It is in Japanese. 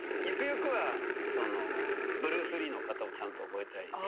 ゆくゆくはブルース・リーの形をちゃんと覚えたい。